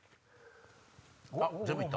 全部行った！